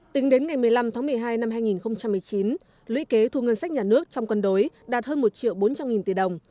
tính đến ngày một mươi năm tháng một mươi hai năm hai nghìn một mươi chín lũy kế thu ngân sách nhà nước trong quân đối đạt hơn một bốn trăm linh tỷ đồng